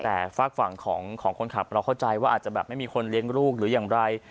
แต่ฝากฝั่งของคนขับเราเข้าใจว่าอาจจะแบบไม่มีคนเลี้ยงลูกหรืออย่างไร